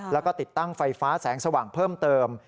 แล้วก็ติดตั้งไฟฟ้าแสงสว่างเพิ่มเติม